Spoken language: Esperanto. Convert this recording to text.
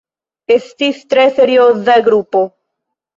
Estis tre serioza grupo.